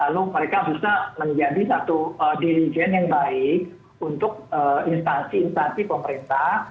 lalu mereka bisa menjadi satu dirijen yang baik untuk instansi instansi pemerintah